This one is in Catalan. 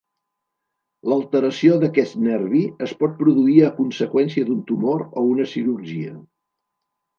L'alteració d'aquest nervi es pot produir a conseqüència d'un tumor o una cirurgia.